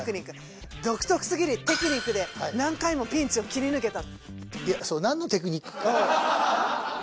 独特すぎるテクニックで何回もピンチを切り抜けた。